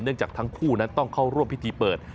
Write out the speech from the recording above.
จากทั้งคู่นั้นต้องเข้าร่วมพิธีเปิด